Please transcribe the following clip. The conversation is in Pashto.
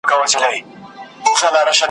دې تور مارته له خالقه سزا غواړم `